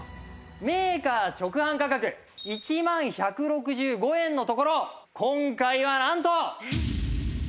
メーカー直販価格１万１６５円のところ今回はなんと。